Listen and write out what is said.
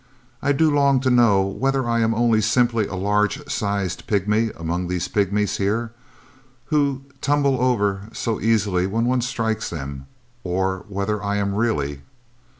I do long to know whether I am only simply a large sized pigmy among these pigmies here, who tumble over so easily when one strikes them, or whether I am really